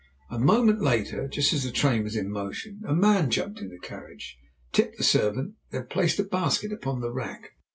A moment later, and just as the train was in motion, a man jumped in the carriage, tipped the servant, and then placed a basket upon the rack.